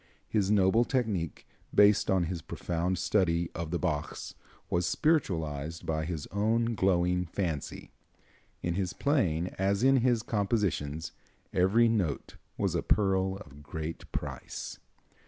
His noble technique, based on his profound study of the Bachs, was spiritualized by his own glowing fancy. In his playing, as in his compositions, every note was a pearl of great price.